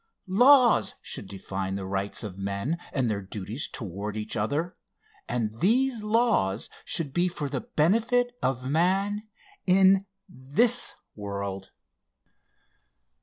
Laws should define the rights of men and their duties toward each other, and these laws should be for the benefit of man in this world.